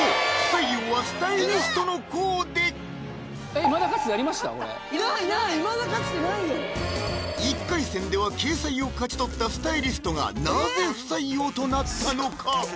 いまだかつてないよ１回戦では掲載を勝ち取ったスタイリストがなぜ不採用となったのか？